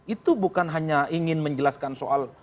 itu bukan hanya ingin menjelaskan soal